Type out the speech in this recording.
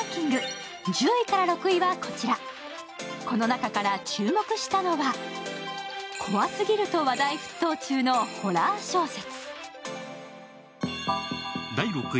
この中から注目したのは怖すぎると話題沸騰中のホラー小説。